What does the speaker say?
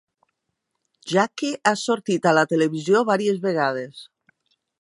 Jakki ha sortit a la televisió vàries vegades.